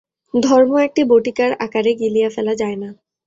ধর্ম একটি বটিকার আকারে গিলিয়া ফেলা যায় না।